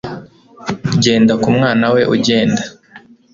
Genda ku mwana we ugenda